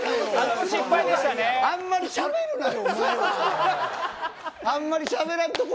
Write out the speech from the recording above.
あんまりしゃべるなよ、お前は。